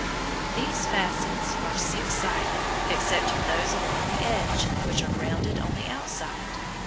These facets are six sided, excepting those along the edge, which are rounded on the outside.